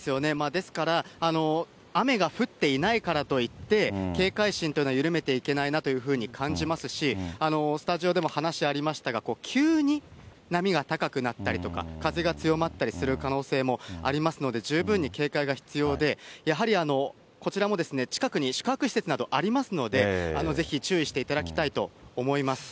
ですから、雨が降っていないからといって、警戒心というのは緩めてはいけないなというふうに感じますし、スタジオでも話ありましたが、急に波が高くなったりとか、風が強まったりする可能性もありますので、十分に警戒が必要で、やはりこちらも近くに宿泊施設などありますので、ぜひ注意していただきたいと思います。